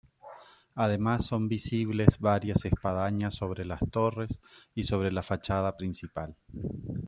Además son visibles varias espadañas sobre las torres y sobre la fachada principal.